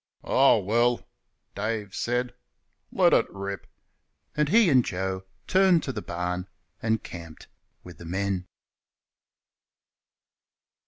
"Ah, well!" Dave said, "let it rip," and he and Joe turned to the barn and camped with the men.